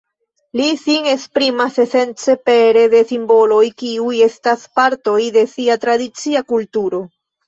Li sin esprimas esence pere de simboloj kiuj estas partoj de sia tradicia kulturo.